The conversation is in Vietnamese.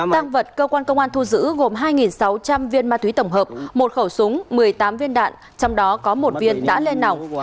tăng vật cơ quan công an thu giữ gồm hai sáu trăm linh viên ma túy tổng hợp một khẩu súng một mươi tám viên đạn trong đó có một viên đã lên nỏng